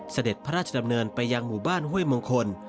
เสด็จพระราชดำเนินไปยังหมู่บ้านห้วยมงคล